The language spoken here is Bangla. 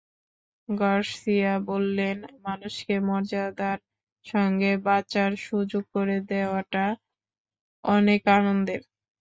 গার্সিয়া বললেন, মানুষকে মর্যাদার সঙ্গে বাঁচার সুযোগ করে দেওয়াটা অনেক আনন্দের।